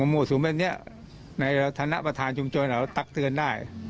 มั่วสุมแบบนี้ในฐานะประธานชุมชนเราตักเตือนได้